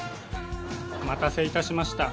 お待たせいたしました。